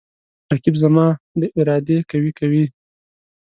رقیب زما د ارادې قوی کوي